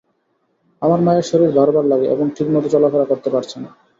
আমার মায়ের শরীর ভার ভার লাগে এবং ঠিকমত চলাফেরা করতে পারছে না।